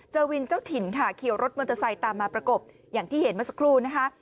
วินเจ้าถิ่นค่ะขี่รถมอเตอร์ไซค์ตามมาประกบอย่างที่เห็นเมื่อสักครู่นะคะ